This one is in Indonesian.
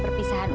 aku sudah mati